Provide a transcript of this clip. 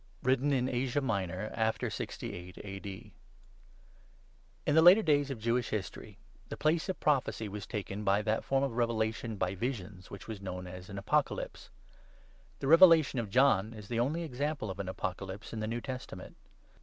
WRITTEN IN ASIA MINOR, AFTER 68 A.D. IN the later days of Jewish History the place of prophecy was taken by that form of revelation by visions which was known as an ' Apocalypse.' ' The Revelation of John ' is the only example of an Apocalypse in the New Testament.